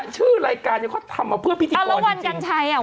ชื่อรายการเขาทำมาเพื่อพี่จิตกรจริง